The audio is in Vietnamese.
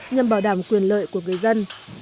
nhằm bảo đảm quyền lợi của người dân